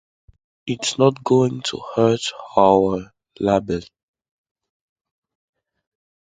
It's not going to hurt our label.